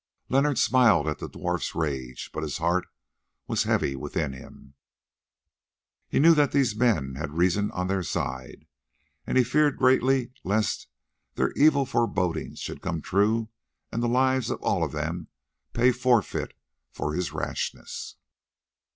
Leonard smiled at the dwarf's rage, but his heart was heavy within him. He knew that these men had reason on their side, and he feared greatly lest their evil forebodings should come true and the lives of all of them pay forfeit for his rashness.